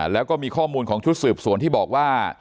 แล้วก็มีข้อมูลของชุดสืบสวนที่บอกว่า